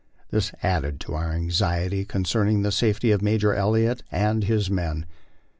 This added to our anxiety con cerning the safety of Major Elliot and his men.